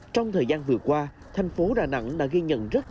trong thời gian vừa qua thành phố đà nẵng đã ghi nhận rất rõ